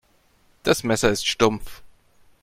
Das Messer ist stumpf.